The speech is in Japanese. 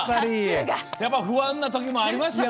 やっぱり、不安なときもありましたか？